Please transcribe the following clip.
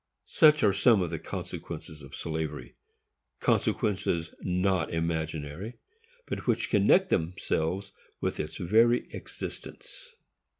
Such are some of the consequences of slavery,—consequences not imaginary, but which connect themselves with its very existence.